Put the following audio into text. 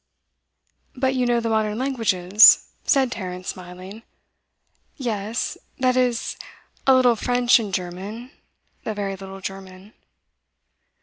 'But you know the modern languages?' said Tarrant, smiling. 'Yes. That is, a little French and German a very little German.